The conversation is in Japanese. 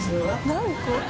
何個？